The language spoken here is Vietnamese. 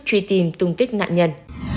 truy tìm tung tích nạn nhân